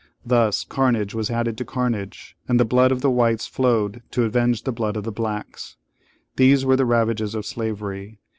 Thus carnage was added to carnage, and the blood of the whites flowed to avenge the blood of the blacks. These were the ravages of slavery.